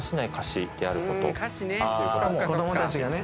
子供たちがね。